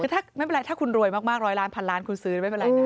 คือถ้าไม่เป็นไรถ้าคุณรวยมากร้อยล้านพันล้านคุณซื้อไม่เป็นไรนะ